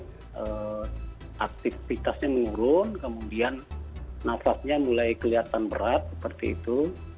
jadi saat itu aktivitasnya menurun kemudian nafasnya mulai kelihatan berat seperti itu